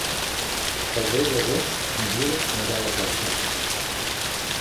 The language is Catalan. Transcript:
El deu d'agost en Gil anirà a la platja.